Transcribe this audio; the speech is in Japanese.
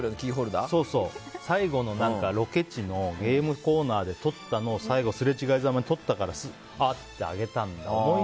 最後のロケ地のゲームコーナーでとったのを最後、すれ違いざまにとったから、あげたんだ。